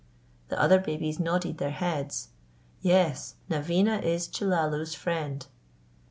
The other babies nodded their heads, "Yes, Naveena is Chellalu's friend!"